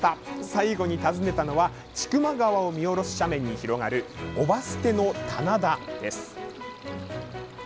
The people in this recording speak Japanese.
最後に訪ねたのは千曲川を見下ろす斜面に広がる姨捨の棚田です。